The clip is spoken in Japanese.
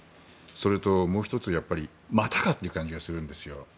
それと、もう１つまたかという感じがするんですよ。